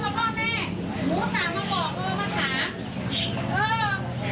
แต่อย่ามาพ่อแม่ไม่ต้องมาพ่อแม่หนูตามมาบอกเพราะว่ามาถาม